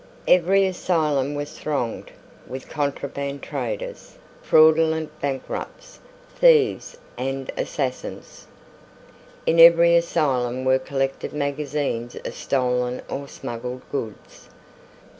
Every asylum was thronged with contraband traders, fraudulent bankrupts, thieves and assassins. In every asylum were collected magazines of stolen or smuggled goods.